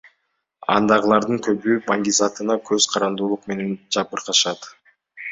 Андагылардын көбү баңгизатына көз карандуулук менен жабыркашат.